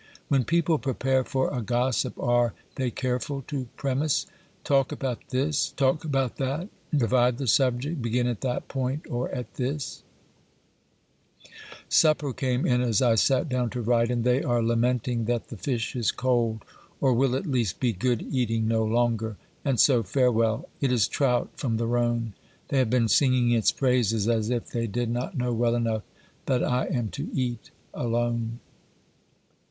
When people prepare for a gossip are they careful to premise : Talk about this, talk about that ; divide the subject, begin at that point or at this ? Supper came in as I sat down to write, and they are lamenting that the fish is cold, or will, at least, be good eating no longer. And so farewell. It is trout from the Rhone; they have been singing its praises, as if they did not know well enough that I am to eat alone.